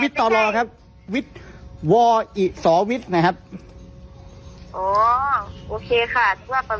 วิธย์ต่อรอครับวิธย์ต่อนะครับโอ้โอเคค่ะ